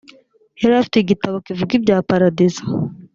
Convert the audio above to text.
yari afite igitabo kivuga ibya paradizo